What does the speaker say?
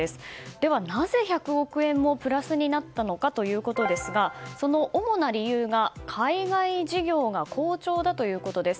では、なぜ１００億円もプラスになったのかですがその主な理由が、海外事業が好調だということです。